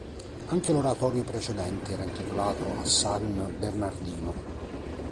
Anche l'oratorio precedente era intitolato a san Bernardino.